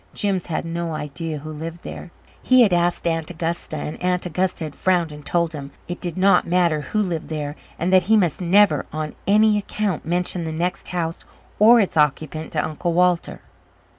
Jims had no idea who lived there. He had asked Aunt Augusta and Aunt Augusta had frowned and told him it did not matter who lived there and that he must never, on any account, mention the next house or its occupant to Uncle Walter.